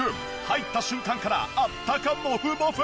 入った瞬間からあったかモフモフ！